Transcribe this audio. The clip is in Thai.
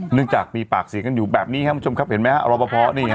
เนื่องจากมีปากเสียงกันอยู่แบบนี้ครับคุณผู้ชมครับเห็นไหมฮะรอปภนี่ฮะ